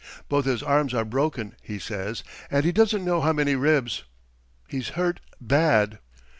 Both his arms are broken, he says and he doesn't know how many ribs. He's hurt bad."